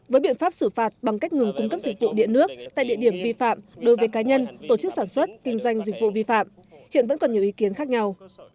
với biện pháp xử phạt bằng cách ngừng cung cấp dịch vụ điện nước tại địa điểm vi phạm đối với cá nhân tổ chức sản xuất kinh doanh dịch vụ vi phạm hiện vẫn còn nhiều ý kiến khác nhau